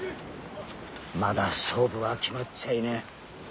まだ勝負は決まっちゃいねえ。